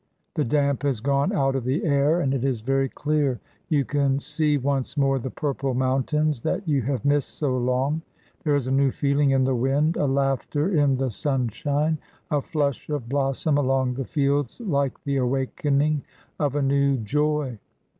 The damp has gone out of the air, and it is very clear. You can see once more the purple mountains that you have missed so long; there is a new feeling in the wind, a laughter in the sunshine, a flush of blossom along the fields like the awakening of a new joy.